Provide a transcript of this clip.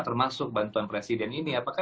termasuk bantuan presiden ini apakah